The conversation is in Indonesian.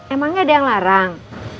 emang gak ada yang larang